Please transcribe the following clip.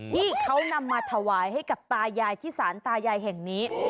ที่เขานำมาทวายเท่าที่สารตายายแห่งนี้